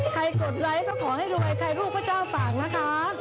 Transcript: กดไลค์ก็ขอให้รวยใครรูปพระเจ้าต่างนะคะ